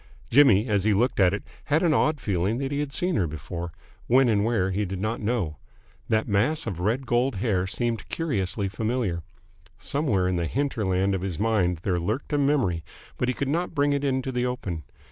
Jimmy, as he looked at it, had an odd feeling that he had seen her before when and where he did not know. That mass of red gold hair seemed curiously familiar. Somewhere in the hinterland of his mind there lurked a memory, but he could not bring it into the open.